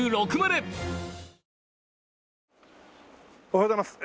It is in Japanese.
おはようございます。